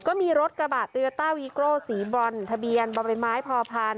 ก็มีรถกระบะตียาต้าวีกรอลสีบัลทะเบียนบำไมไม้พอพาล